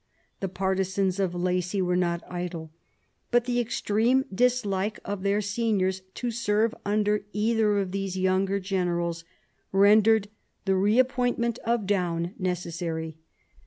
The partisans of ;Lacy were not idle. But the extreme dislike of their seniors to serve under either of these younger generals rendered the reappointment of Daun necessary.